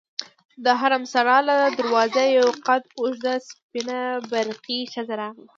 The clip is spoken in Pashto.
د حرم سرا له دروازې یوه قد اوږده سپینې برقعې ښځه راغله.